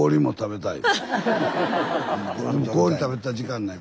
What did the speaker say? でも氷食べたら時間ない。